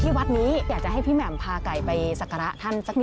ที่วัดนี้อยากจะให้พี่แหม่มพาไก่ไปศักระท่านสักนิดหนึ่งค่ะ